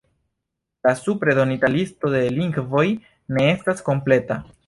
La supre donita listo de lingvoj ne estas kompleta.